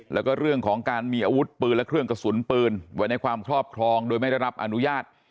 แล้วก็เรื่องของการมีอาวุธปืนและเครื่องกระสุนปืนไว้ในความครอบครองโดยไม่ได้รับอนุญาต